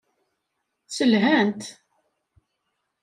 Sselhan-t.